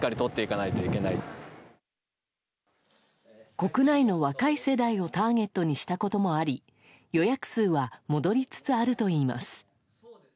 国内の若い世代をターゲットにしたこともあり予約数は戻りつつあるといいます。